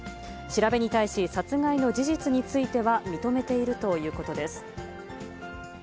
調べに対し、殺害の事実については認めているということです。